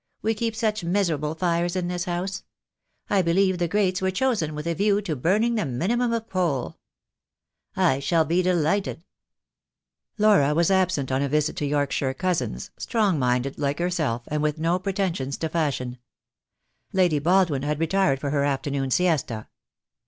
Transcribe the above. We keep such miserable fires in this house. I believe the grates were chosen with a view to burning the minimum of coal." THE DAY WILL COME. 313 "I shall be delighted." Laura was absent on a visit to Yorkshire cousins, strong minded like herself, and with no pretensions to fashion. Lady Baldwin had retired for her afternoon siesta.